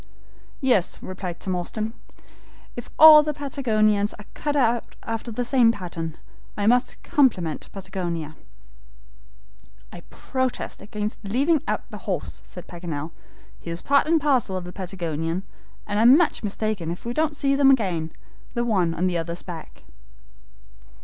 "Yes," replied Tom Austin, "if all the Patagonians are cut after the same pattern, I must compliment Patagonia." "I protest against leaving out the horse," said Paganel. "He is part and parcel of the Patagonian, and I'm much mistaken if we don't see them again, the one on the other's back."